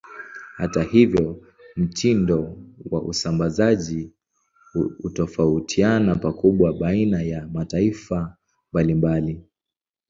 Hata hivyo, mtindo wa usambazaji hutofautiana pakubwa baina ya mataifa mbalimbali.